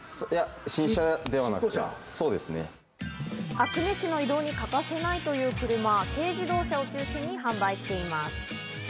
阿久根市の移動に欠かせないという車・軽自動車を中心に販売しています。